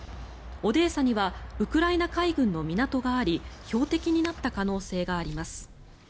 オデーサにはウクライナ海軍の港があり標的になった可能性があります。